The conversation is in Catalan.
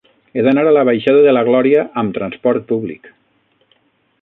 He d'anar a la baixada de la Glòria amb trasport públic.